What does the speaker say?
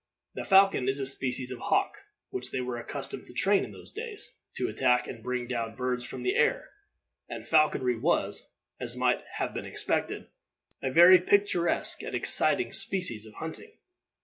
The falcon is a species of hawk which they were accustomed to train in those days, to attack and bring down birds from the air, and falconry was, as might have been expected, a very picturesque and exciting species of hunting.